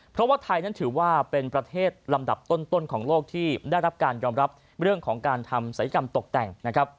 เพราะว่าไทยนั้นถือว่าเป็นประเทศลำดับต้นของโลกที่ได้รับการยอมรับเรื่องของการทำศัยกรรมตกแต่งนะครับ